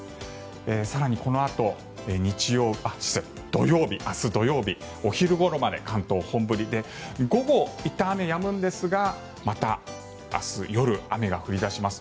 更にこのあと、明日土曜日お昼ごろまで関東本降りで午後、いったん雨はやむんですがまた、明日夜雨が降り出します。